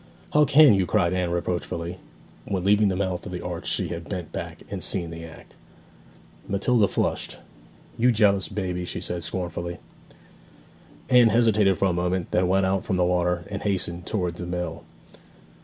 'How can you!' cried Anne reproachfully. When leaving the mouth of the arch she had bent back and seen the act. Matilda flushed. 'You jealous baby!' she said scornfully. Anne hesitated for a moment, then went out from the water, and hastened towards the mill.